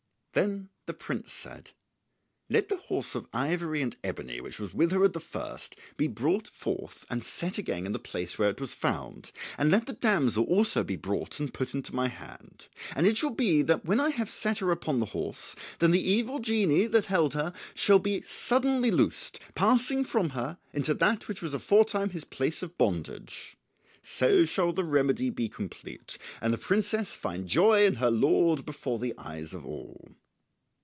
Then the prince said, "Let the horse of ivory and ebony which was with her at the first be brought forth and set again in the place where it was found, and let the damsel also be brought and put into my hand; and it shall be that when I have set her upon the horse, then the evil genie that held her shall be suddenly loosed, passing from her into that which was aforetime his place of bondage. So shall the remedy be complete, and the princess find joy in her lord before the eyes of all."